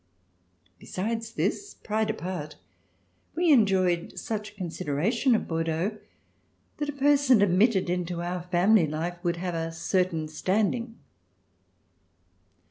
Besides this, pride apart, we enjoyed such considera tion at Bordeaux that a person admitted into our family life would have a certain standing.